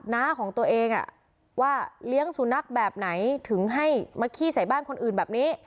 น้าของตัวเองว่าเลี้ยงสุนัขแบบไหนถึงให้มาขี้ใส่บ้านคนอื่นแบบนี้